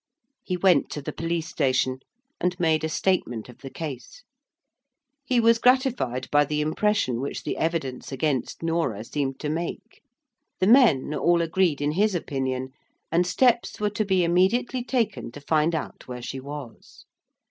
He went to the police station, and made a statement of the case. He was gratified by the impression which the evidence against Norah seemed to make. The men all agreed in his opinion, and steps were to be immediately taken to find out where she was.